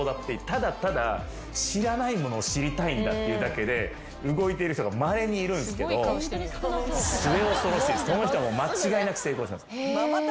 ただただ知らないものを知りたいんだっていうだけで動いてる人がまれにいるんすけど末恐ろしいです。